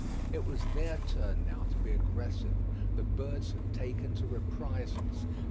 It was their turn now to be aggressive. The birds had taken to reprisals.